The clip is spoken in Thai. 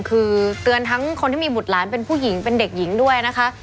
คือเตือนทั้งคนที่มีบุตรหลานเป็นผู้หญิงเป็นเด็กหญิงด้วยนะคะ